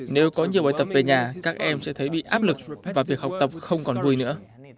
nếu có nhiều bài tập về nhà các em sẽ thấy bị áp lực và việc học tập không còn vui nữa